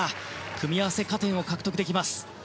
組み合わせ加点を獲得できます。